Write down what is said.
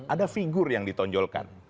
ada figur yang ditonjolkan